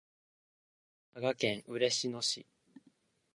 佐賀県嬉野市